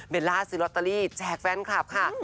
ล่าซื้อลอตเตอรี่แจกแฟนคลับค่ะ